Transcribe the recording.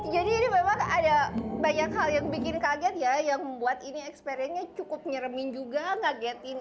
jadi ini memang ada banyak hal yang bikin kaget ya yang membuat ini eksperimennya cukup nyeremin juga kagetin